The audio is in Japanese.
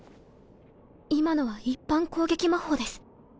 今のは一般攻撃魔法です。